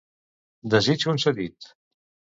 Desig concedit!